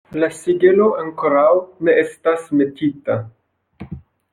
La sigelo ankoraŭ ne estas metita.